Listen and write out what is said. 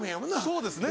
そうですね。